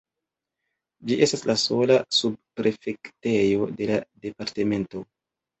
Ĝi estas la sola subprefektejo de la departemento.